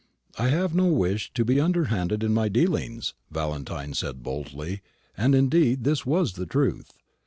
"I have no wish to be underhand in my dealings," Valentine said boldly. And indeed this was the truth.